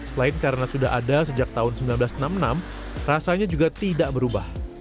selain karena sudah ada sejak tahun seribu sembilan ratus enam puluh enam rasanya juga tidak berubah